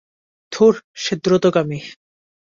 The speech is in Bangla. ধুর, সে দ্রুতগামী।